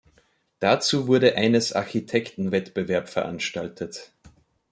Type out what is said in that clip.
Dazu wurde eines Architektenwettbewerb veranstaltet.